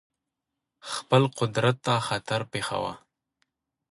خپل قدرت ته خطر پېښاوه.